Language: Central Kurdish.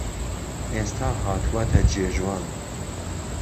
ئێستا هاتووهته جێژوان